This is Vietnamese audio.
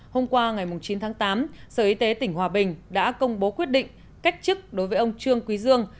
hôm qua ngày chín tháng tám sở y tế tỉnh hòa bình đã công bố quyết định cách chức đối với ông trương quý dương